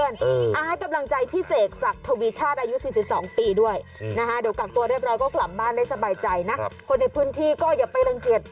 เดี๋ยวกักตัวเรียบร้อยก็กลับบ้านได้สบายใจนะคนในพื้นที่ก็อย่าไปรังเกียจ